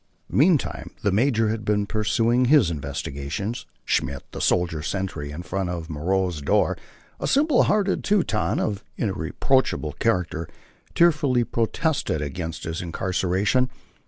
Meantime the major had been pursuing his investigations. Schmidt, the soldier sentry in front of Moreau's door, a simple hearted Teuton of irreproachable character, tearfully protested against his incarceration.